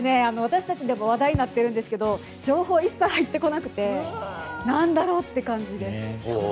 私たちでも話題になっているんですが情報一切入ってこなくて何だろうっていう感じです。